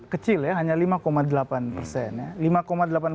kecil ya hanya lima delapan persen ya